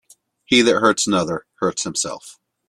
He that hurts another, hurts himself.